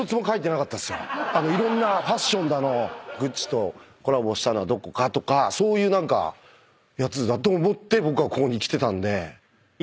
いろんなファッションだのグッチとコラボしたのはどこかとかそういうやつだと思って僕はここに来てたんで。